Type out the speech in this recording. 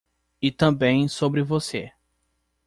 E também sobre você!